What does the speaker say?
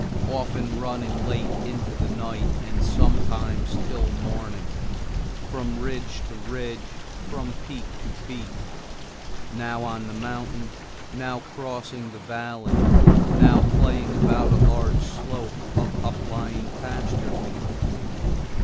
often running late into the night and sometimes till morning, from ridge to ridge, from peak to peak; now on the mountain, now crossing the valley, now playing about a large slope of uplying pasture fields.